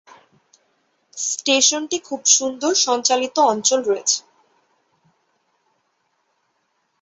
স্টেশনটি খুব সুন্দর সঞ্চালিত অঞ্চল রয়েছে।